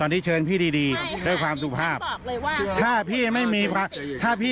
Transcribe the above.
ดิฉันก็พูดด้วยความสุขภาพทุกชาติ